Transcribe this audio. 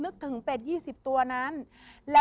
คือตอนนั้นน่ะ